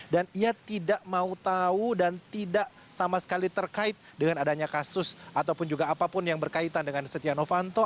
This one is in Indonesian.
dan ia tidak mau tahu dan tidak sama sekali terkait dengan adanya kasus ataupun juga apapun yang berkaitan dengan setia novanto